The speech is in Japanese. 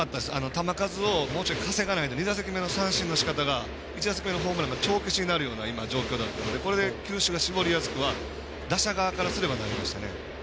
球数をもうちょっと稼がないと２打席目の三振が１打席目のホームランが帳消しになるような状況なのでこれで球種が絞りやすく打者側からしたらなりました。